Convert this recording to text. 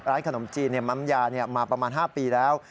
ขนมจีนม้ำยามาประมาณ๕ปีแล้ว